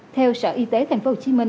theo sở y tế tp hcm